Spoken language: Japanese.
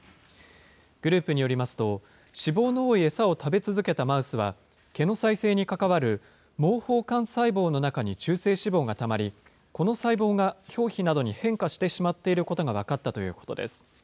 グループによりますと、脂肪の多い餌を食べ続けたマウスは、毛の再生に関わる毛包幹細胞の中に中性脂肪がたまり、この細胞が表皮などに変化してしまっていることが分かったということです。